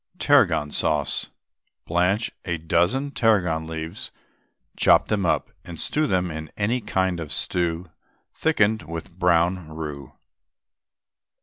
TARRAGON SAUCE. Blanch a dozen tarragon leaves, chop them up, and stew them in any kind of stock thickened with brown roux.